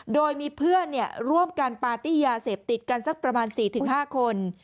โดยมีเพื่อนร่วมการปาร์ตี้ยาเสพติดกันสักประมาณ๔๕คน